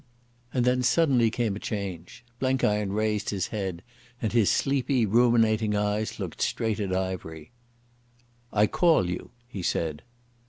And then suddenly came a change. Blenkiron raised his head, and his sleepy, ruminating eyes looked straight at Ivery. "I call you," he said.